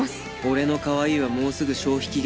俺のかわいいはもうすぐ消費期限を迎える。